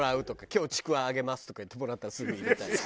「今日ちくわあげます」とかいってもらったらすぐ入れたり。